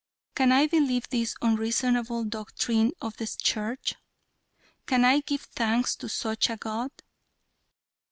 Can I believe this unreasonable doctrine of the Church? Can I give thanks to such a god?"